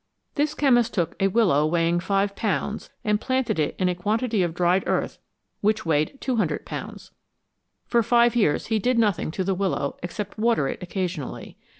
This chemist took a willow weighing 5 pounds and planted it in a quantity of dried earth which weighed 200 pounds. For five years he did nothing to the willow except water it occasionally.